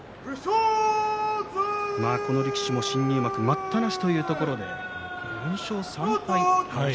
この力士も新入幕待ったなしというところで４勝３敗。